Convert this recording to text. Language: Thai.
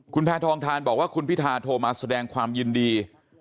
คุณแพทองทานบอกว่าคุณพิธาโทรมาแสดงความยินดี